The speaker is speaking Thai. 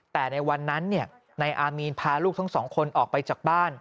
แต่ในวันนั้นนายอามีนพาลูกทั้งสองคนออกไปจากบ้าน